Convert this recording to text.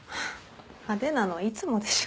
派手なのはいつもでしょ。